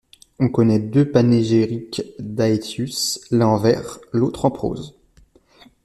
On connait deux panégyriques d'Aetius, l'un en vers, l'autre en prose.